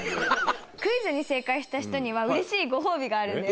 クイズに正解した人にはうれしいご褒美があるんだよね。